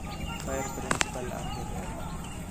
خیر پرنسپل آخر